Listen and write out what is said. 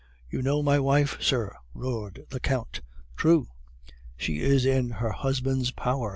"'You know my wife, sir!' roared the Count. "'True.' "'She is in her husband's power.